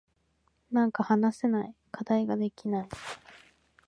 なんか話せない。課題ができない。